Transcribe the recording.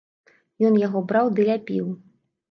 Ён яго браў ды ляпіў.